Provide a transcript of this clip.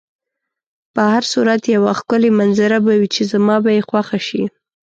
په هر صورت یوه ښکلې منظره به وي چې زما به یې خوښه شي.